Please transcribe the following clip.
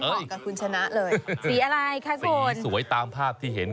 เป็นพ่อปลาไหล่นี่แหละ